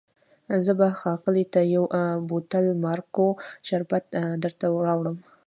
زه به ښاغلي ته یو بوتل مارګو شربت درته راوړم.